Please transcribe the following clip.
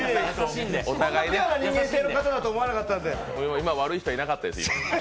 今、悪い人はいなかったです